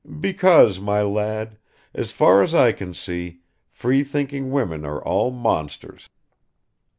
"Because, my lad, as far as I can see, free thinking women are all monsters."